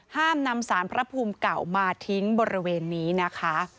ห้ามนำสารพระภูมิเก่ามาทิ้งบริเวณนี้นะคะ